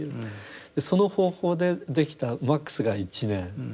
その方法でできたマックスが１年。